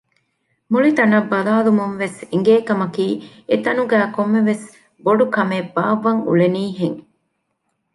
މުޅި ތަނަށް ބަލާލަުމުންވެސް އެނގޭ ކަމަކީ އެތަނުގައި ކޮންމެވެސް ބޮޑުކަމެއް ބާއްވަން އުޅެނީ ހެން